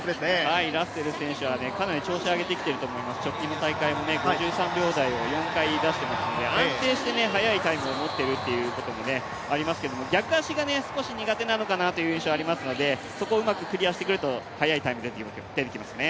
ラッセル選手は調子上げてきています、直近の大会も５３秒台を４回出していますので、安定して速いタイムを持っているという印象ですが逆足が少し苦手なのかなという印象がありますのでそこをうまくクリアしてくると、速いタイムが出てきますね。